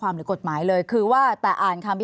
ภารกิจสรรค์ภารกิจสรรค์